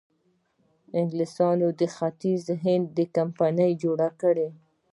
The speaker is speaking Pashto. انګلیسانو د ختیځ هند کمپنۍ جوړه کړه.